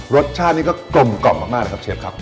รสชาตินี่ก็กลมกล่อมมากนะครับเชฟครับ